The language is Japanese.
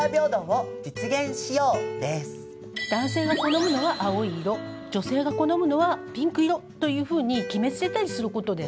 男性が好むのは青い色女性が好むのはピンク色というふうに決めつけたりすることです。